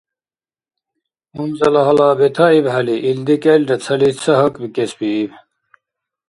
Унзала гьала бетаибхӀели, илди кӀелра цалис ца гьакӀбикӀесбииб.